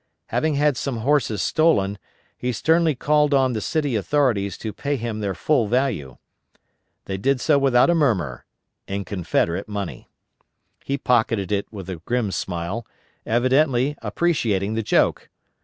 Having had some horses stolen, he sternly called on the city authorities to pay him their full value. They did so without a murmur in Confederate money. He pocketed it with a grim smile, evidently appreciating the joke.